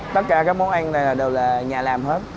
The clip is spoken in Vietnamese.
tất cả các món ăn này đều là nhà làm hết